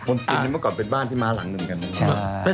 มนตินี้เมื่อก่อนเป็นบ้านที่ม้าหลังหนึ่งกัน